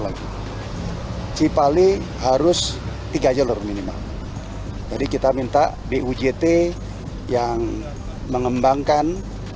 ke simpler lagi hai cipali harus tiga jalur minim jadi kita minta bid yang mengembangkan